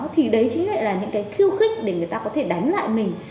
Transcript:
thì đấy chính lại là những cái khiêu khích để người ta có thể đánh lại mình